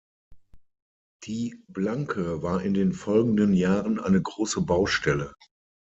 Die Blanke war in den folgenden Jahren eine große Baustelle.